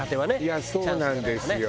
いやそうなんですよ。